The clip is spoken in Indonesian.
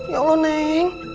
ya allah neng